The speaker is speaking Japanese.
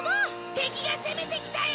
敵が攻めてきたよ！